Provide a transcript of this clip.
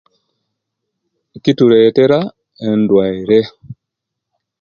Kituletera endwaire